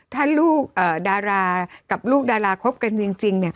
ถ้าลูกดารากับลูกดาราคบกันจริง